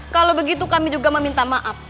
kalau begitu kami juga meminta maaf